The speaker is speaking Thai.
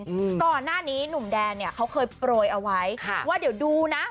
อืมก่อนหน้านี้หนุ่มแดนเนี้ยเขาเคยโปรยเอาไว้ค่ะว่าเดี๋ยวดูนะ